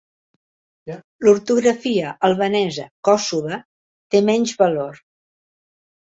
L'ortografia albanesa "Kosova" té menys valor.